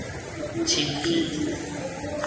深坑